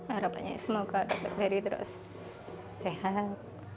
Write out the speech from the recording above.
harapannya semoga dokter ferry terus sehat